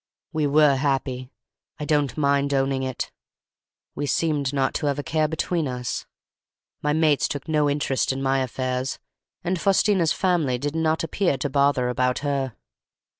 We were happy. I don't mind owning it. We seemed not to have a care between us. My mates took no interest in my affairs, and Faustina's family did not appear to bother about her.